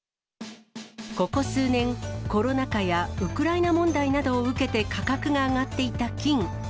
ここ数年、コロナ禍やウクライナ問題などを受けて価格が上がっていた金。